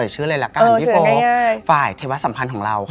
ชื่อเลยละกันพี่โฟกฝ่ายเทวสัมพันธ์ของเราค่ะ